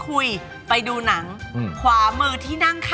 แล้วคุณพูดกับอันนี้ก็ไม่รู้นะผมว่ามันความเป็นส่วนตัวซึ่งกัน